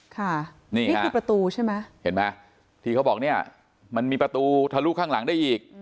ค่ะนี่คือประตูใช่ไหมเห็นไหมที่เขาบอกเนี่ยมันมีประตูทะลุข้างหลังได้อีก